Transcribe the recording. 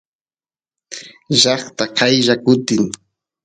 llaqta qaylla kutin